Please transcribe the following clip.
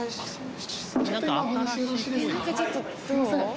すみません。